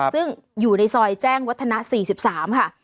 ซึ่งอยู่ในซอยแจ้งวัฒนะ๔๓ค่ะ